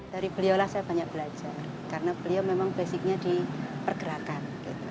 dari beliau lah saya banyak belajar karena beliau memang basicnya di pergerakan